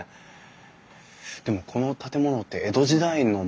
でもこの建物って江戸時代のものですもんね。